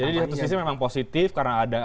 jadi di satu sisi memang positif karena ada